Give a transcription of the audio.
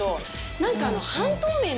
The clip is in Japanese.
何か。